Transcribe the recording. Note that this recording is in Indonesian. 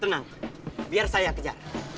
tenang biar saya kejar